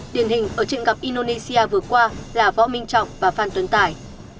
điển hình ở trận gặp indonesia vừa qua là võ minh trọng và phan tuấn tài